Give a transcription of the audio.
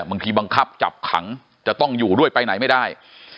บังคับจับขังจะต้องอยู่ด้วยไปไหนไม่ได้